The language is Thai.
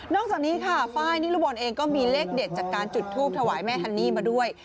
จากนี้ค่ะไฟล์นิรบนเองก็มีเลขเด็ดจากการจุดทูปถวายแม่ฮันนี่มาด้วย